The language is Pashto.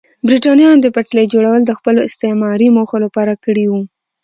برېټانویانو د پټلۍ جوړول د خپلو استعماري موخو لپاره کړي وو.